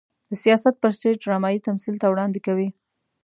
د سياست پر سټېج ډرامايي تمثيل ته وړاندې کوي.